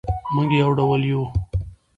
مونږ یو ډول یو